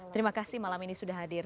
terima kasih malam ini sudah hadir